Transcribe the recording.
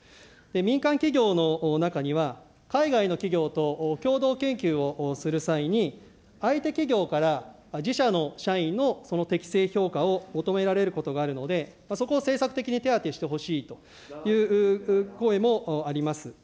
民間企業の中には、海外の企業と共同研究をする際に、相手企業から自社の社員のその適正評価を求められることがあるので、そこを政策的に手当てしてほしいという声もあります。